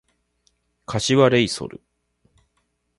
柏レイソル